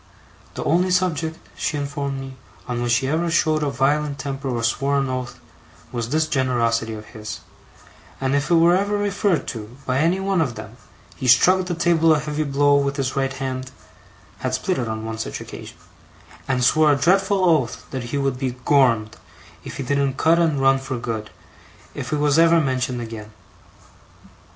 The only subject, she informed me, on which he ever showed a violent temper or swore an oath, was this generosity of his; and if it were ever referred to, by any one of them, he struck the table a heavy blow with his right hand (had split it on one such occasion), and swore a dreadful oath that he would be 'Gormed' if he didn't cut and run for good, if it was ever mentioned again.